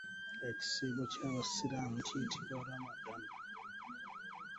Ekisiibo ky'abasiraamu kiyitibwa Ramadan.